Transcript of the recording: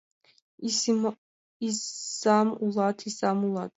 Изам улат, изам улат!